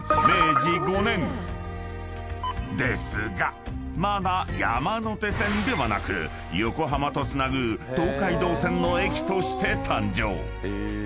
［ですがまだ山手線ではなく横浜とつなぐ東海道線の駅として誕生］